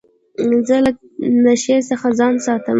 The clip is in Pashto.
زه له نشې څخه ځان ساتم.